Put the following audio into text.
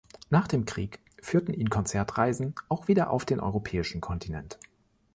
Nach dem Krieg führten ihn Konzertreisen auch wieder auf den europäischen Kontinent.